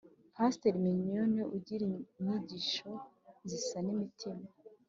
Paster mignone ugira inyigisho zisana imitima